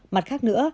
mặt khác nữa